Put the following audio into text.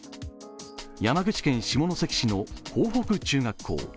山口県下関市の豊北中学校。